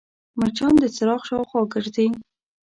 مچان د څراغ شاوخوا ګرځي